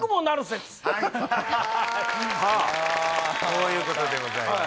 こういうことでございます